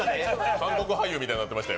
韓国俳優みたいになってましたよ。